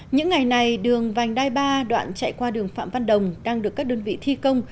những ngày này đường vành đai ba đoạn chạy qua đường phạm văn đồng đang được các đơn vị thi công